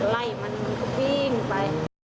ไล่มันมันก็วิ่งไป